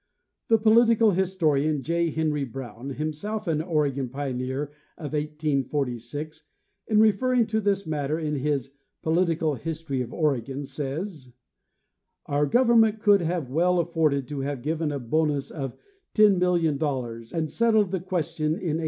The political historian, J. Henry Brown, himself an Oregon pioneer of 1846, in referring to this matter in his " Political His tory of Oregon," says: '"Our government could have well afforded to have given a bonus of $10,600,000 and settled the question in 1818.